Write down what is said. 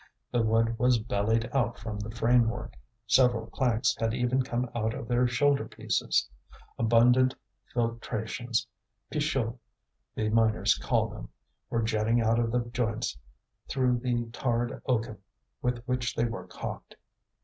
The wood was bellied out from the framework; several planks had even come out of their shoulder pieces. Abundant filtrations, pichoux the miners call them, were jetting out of the joints through the tarred oakum with which they were caulked.